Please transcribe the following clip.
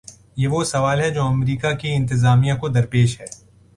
یہ وہ سوال ہے جو امریکہ کی انتظامیہ کو درپیش ہے۔